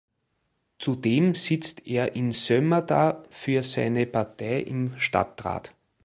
Zudem sitzt er in Sömmerda für seine Partei im Stadtrat.